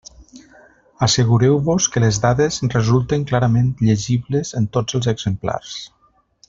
Assegureu-vos que les dades resulten clarament llegibles en tots els exemplars.